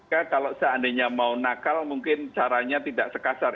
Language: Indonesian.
maka kalau seandainya mau nakal mungkin caranya tidak sekasar